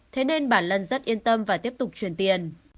thế nên bà lân rất yên tâm và tiếp tục truyền tiền